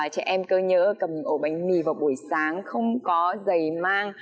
trẻ em cơ nhỡ cầm ổ bánh mì vào buổi sáng không có giày mang